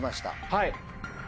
はい。